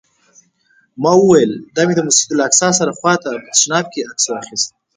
ما وویل: دا مې د مسجداالاقصی سره خوا ته په تشناب کې عکس واخیست.